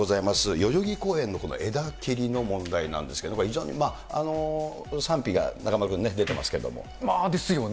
代々木公園の枝切りの問題なんですけど、これ非常に賛否が中丸君、ですよね。